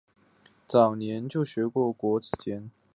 早年就学于国子监。